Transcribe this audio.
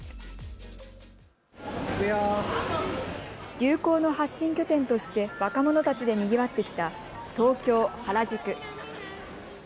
流行の発信拠点として若者たちでにぎわってきた東京原宿。